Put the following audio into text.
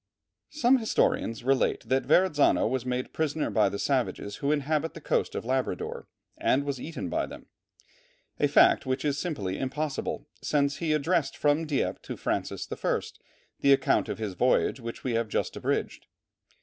Some historians relate that Verrazzano was made prisoner by the savages who inhabit the coast of Labrador, and was eaten by them. A fact which is simply impossible, since he addressed from Dieppe to Francis I. the account of his voyage which we have just abridged.